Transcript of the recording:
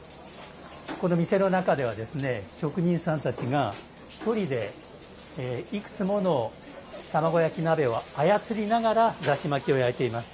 この店の中では職人さんたちが１人でいくつもの卵焼き鍋を操りながらだし巻きを焼いています。